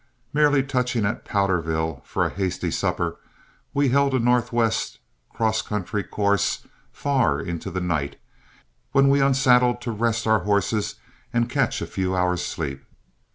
Merely touching at Powderville for a hasty supper, we held a northwest, cross country course, far into the night, when we unsaddled to rest our horses and catch a few hours' sleep.